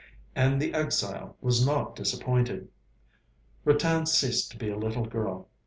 And the exile was not disappointed. Ratan ceased to be a little girl.